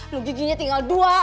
lu giginya tinggal dua